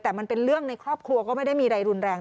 แต่มันเป็นเรื่องในครอบครัวก็ไม่ได้มีอะไรรุนแรง